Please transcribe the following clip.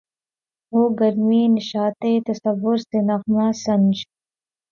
ہوں گرمیِ نشاطِ تصور سے نغمہ سنج